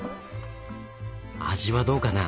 味はどうかな？